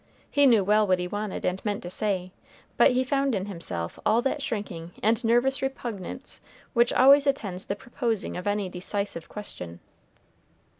He knew well what he wanted and meant to say, but he found in himself all that shrinking and nervous repugnance which always attends the proposing of any decisive question.